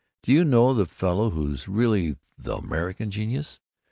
Do you know the fellow who's really the American genius?